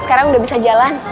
sekarang udah bisa jalan